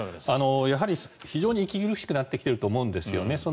非常に息苦しくなってきていると思うんですよね。